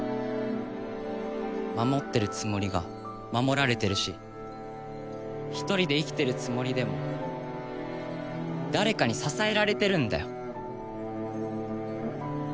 守ってるつもりが守られてるし一人で生きてるつもりでも誰かに支えられてるんだよ。